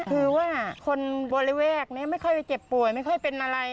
คือว่าคนบริเวณนี้ไม่ค่อยไปเจ็บป่วยไม่ค่อยเป็นอะไร